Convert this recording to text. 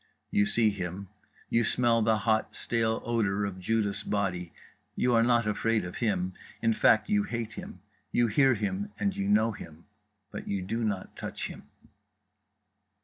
You see him, you smell the hot stale odour of Judas' body; you are not afraid of him, in fact, you hate him; you hear him and you know him. But you do not touch him.